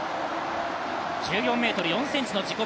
１４ｍ４ｃｍの自己